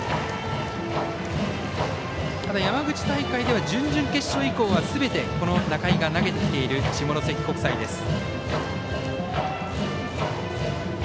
ただ山口大会では準々決勝以降はすべて仲井が投げてきている下関国際です。